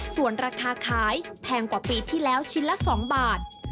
ส่วนราคาขายแพงกว่าปีที่แล้วชิ้นละ๒บาท